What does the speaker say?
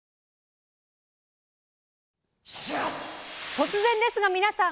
突然ですが皆さん！